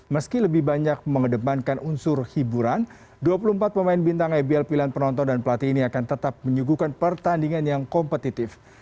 meski lebih banyak mengedepankan unsur hiburan dua puluh empat pemain bintang ibl pilihan penonton dan pelatih ini akan tetap menyuguhkan pertandingan yang kompetitif